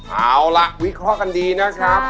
เอาล่ะวิเคราะห์กันดีนะครับ